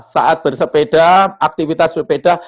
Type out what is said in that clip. saat bersepeda aktivitas sepeda